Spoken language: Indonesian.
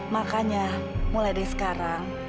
makanya mulai dari sekarang